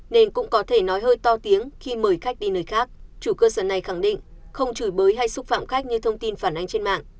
nên cũng có thể nói hơi to tiếng khi mời khách đi nơi khác chủ cơ sở này khẳng định không chửi bới hay xúc phạm khách như thông tin phản ánh trên mạng